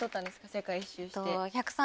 世界一周して。